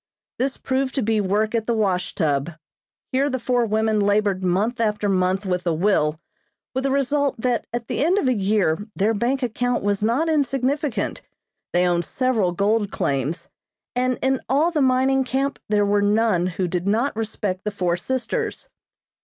This proved to be work at the wash tub. Here the four women labored month after month with a will, with the result that at the end of a year their bank account was not insignificant, they owned several gold claims, and in all the mining camp there were none who did not respect the four sisters.